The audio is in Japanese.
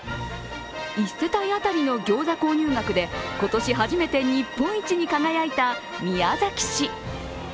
１世帯当たりの餃子購入額で今年初めて日本一に輝いた宮崎市。